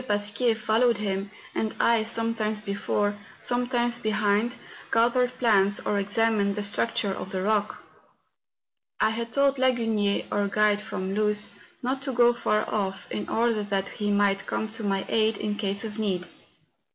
Pasquier followed him, and I, sometimes before, sometimes behind, gathered plants or examined the structure of the rock. I had told Lagunier, our guide from Luz, not to go far off, in order that he might come to my aid in case of need.